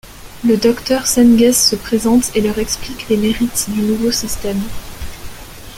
Le docteur Sengès se présente et leur explique les mérites du nouveau système.